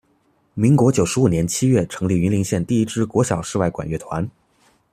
民国九十五年七月成立云林县第一支国小室外管乐团。